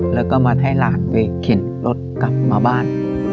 แล้วก็มาให้หลานไปเข็นรถกลับมาบ้าน